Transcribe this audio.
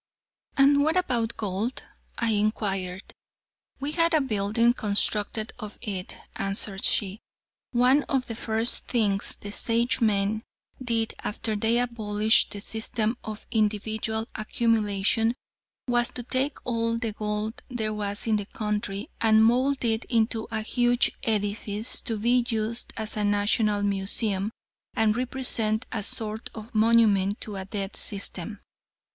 "And what about gold?" I inquired. "We had a building constructed of it," answered she. "One of the first things the Sagemen did after they abolished the system of individual accumulation was to take all the gold there was in the country, and mould it into a huge edifice to be used as a national museum, and represent a sort of monument to a dead system."